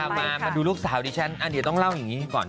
เอาละค่ะมาดูลูกสาวดิฉันอ่ะเดี๋ยวต้องเล่าอย่างนี้ก่อน